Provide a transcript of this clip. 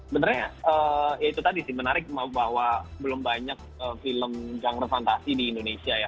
benernya ya itu tadi sih menarik bahwa belum banyak film genre fantasi di indonesia ya